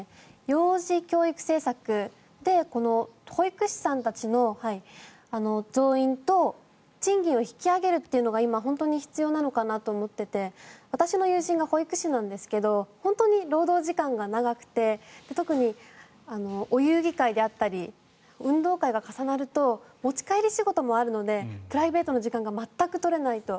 幼児教育政策で保育士さんたちの増員と賃金を引き上げるというのが今、本当に必要なのかなと思っていて私の友人が保育士なんですけど本当に労働時間が長くて特にお遊戯会であったり運動会が重なると持ち帰り仕事もあるのでプライベートの時間が全く取れないと。